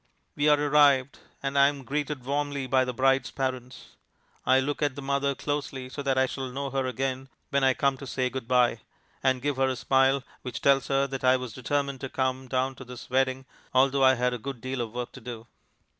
We are arrived, and I am greeted warmly by the bride's parents. I look at the mother closely so that I shall know her again when I come to say good bye, and give her a smile which tells her that I was determined to come down to this wedding although I had a good deal of work to do.